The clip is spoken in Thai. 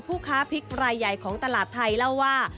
ผู้ค้าพริกรายใหญ่ของตลาดไทยเล่าว่า